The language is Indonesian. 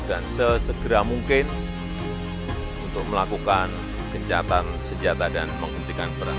dan sesegera mungkin untuk melakukan pencatatan senjata dan menghentikan perang